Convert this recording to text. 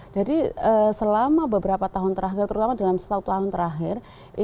jadi selama beberapa tahun terakhir terutama dalam satu tahun terakhir